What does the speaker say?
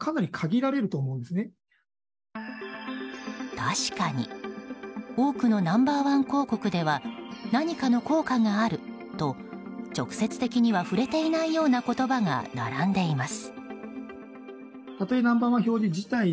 確かに多くのナンバー１広告では何かの効果があると直接的には触れていないような言葉が並んでいます。